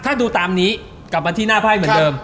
ถ้าดูตามนี้กลับมาที่หน้าไพ่เหมือนเดิม